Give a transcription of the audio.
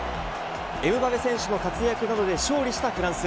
エムバペ選手の活躍などで勝利したフランス。